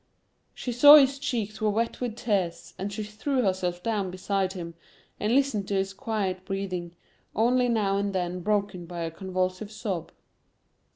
She saw his cheeks were wet with tears, and she threw herself down beside him and listened to his quiet breathing, only now and then broken by a convulsive sob.